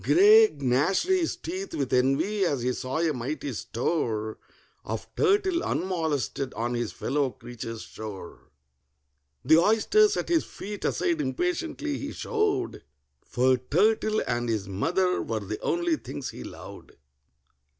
GRAY gnashed his teeth with envy as he saw a mighty store Of turtle unmolested on his fellow creature's shore. The oysters at his feet aside impatiently he shoved, For turtle and his mother were the only things he loved.